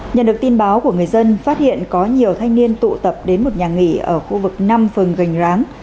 nhận được tin báo của người dân phát hiện có nhiều thanh niên tụ tập đến một nhà nghỉ ở khu vực năm phường gành ráng